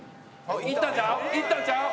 いったんちゃう？